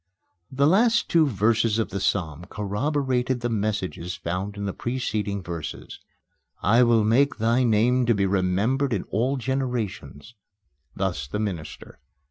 The last two verses of the psalm corroborated the messages found in the preceding verses: "I will make thy name to be remembered in all generations:" thus the minister.